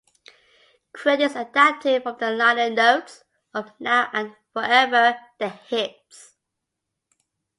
Credits adapted from the liner notes of "Now and Forever: The Hits".